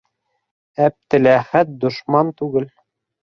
Әптеләхәт дошман түгел!